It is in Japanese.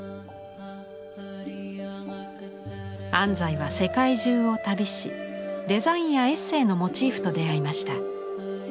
安西は世界中を旅しデザインやエッセーのモチーフと出会いました。